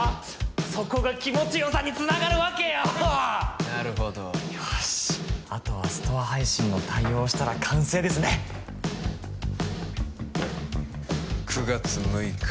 そこが気持ちよさにつながるわけよなるほどよーしあとはストア配信の対応をしたら完成ですね９月６日